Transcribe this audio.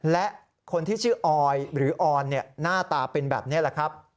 และคนที่ชื่อออยหรือออนหน้าตาเป็นแบบนี้แหละครับ